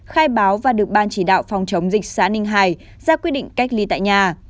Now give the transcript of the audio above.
khai báo và được ban chỉ đạo phòng chống dịch xã ninh hải ra quyết định cách ly tại nhà